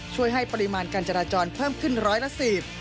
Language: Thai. ช่วยให้ปริมาณการจราจรเพิ่มขึ้นร้อยละสิบ